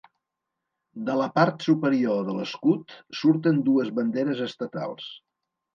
De la part superior de l'escut surten dues banderes estatals.